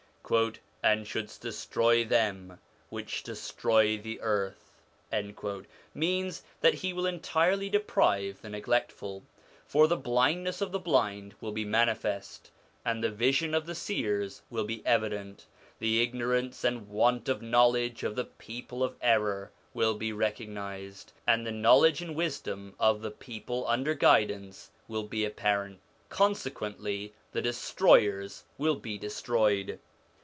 'And shouldst destroy them which destroy the earth,' means that he will entirely deprive the neglect ful ; for the blindness of the blind will be manifest, and the vision of the seers will be evident ; the ignorance and want of knowledge of the people of error will be recognised, and the knowledge and wisdom of the people under guidance will be apparent consequently the destroyers will be destroyed.